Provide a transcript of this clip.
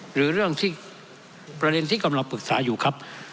หรือที่ประเทรนสิทธิกำลักษมณะปรึกษาอยู่ครับ